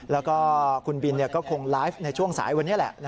แล้วก็คุณบินก็คงไลฟ์ในช่วงสายวันนี้แหละ